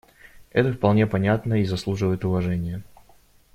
Это вполне понятно и заслуживает уважения.